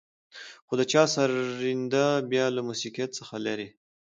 خو د چا سرېنده بيا له موسيقيت څخه لېرې.